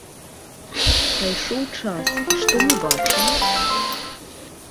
Прайшоў час, і што мы бачым?